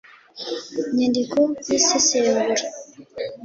inyandiko z’isesengura